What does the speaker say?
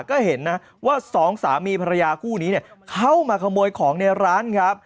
ก็เห็นนะว่าสองสามีภรรยาคู่นี้เข้ามาขโมยของในร้านครับ